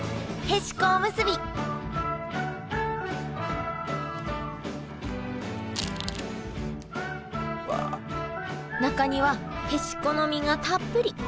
へしこおむすび中にはへしこの身がたっぷり。